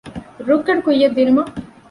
ރުއްގަނޑު ކުއްޔަށް ދިނުމަށް